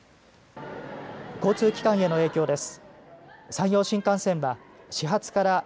交通機関への影響です。